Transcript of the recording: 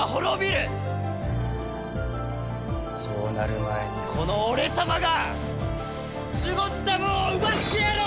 そうなる前にこの俺様がシュゴッダムを奪ってやろう！